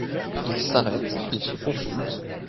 Ils s'arrêtent, ils se consultent.